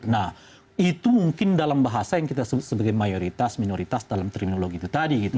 nah itu mungkin dalam bahasa yang kita sebagai mayoritas minoritas dalam terminologi itu tadi gitu